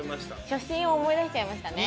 初心を思い出しちゃいましたね。